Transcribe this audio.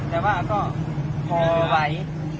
แต่ว่าก็พอไหว